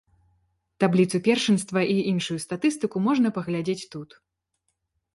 Табліцу першынства і іншую статыстыку можна паглядзець тут.